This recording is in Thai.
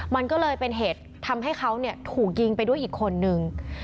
มันก็เลยเป็นเหตุทำให้เขาถูกยิงไปด้วยอีกคนนึง